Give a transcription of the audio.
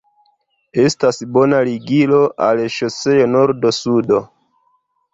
Estas bona ligilo al ŝoseo nordo-sudo.